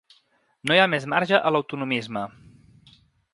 No hi ha més marge a l’autonomisme.